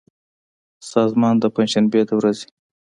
سازمان د پنجشنبې د ورځې